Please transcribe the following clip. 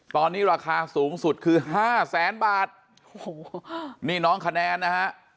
ตอนนี้ราคาสูงสุดคือ๕๐๐๐๐๐บาทนี่น้องคะแนนนะฮะ